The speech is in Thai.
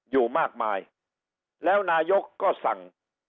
อยู่มากมายแล้วนายกก็สั่ง